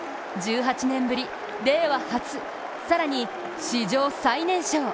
１８年ぶり、令和初、更に史上最年少。